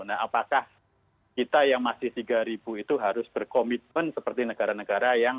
nah apakah kita yang masih tiga itu harus berkomitmen seperti negara negara yang